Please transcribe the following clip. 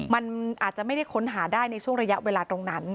มันอาจจะไม่ได้ค้นหาได้ในช่วงระยะเวลาตรงนั้น